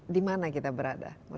di mana kita berada